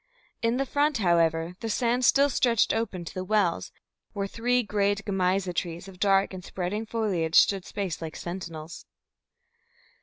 In the front, however, the sand still stretched open to the wells, where three great Gemeiza trees of dark and spreading foliage stood spaced like sentinels.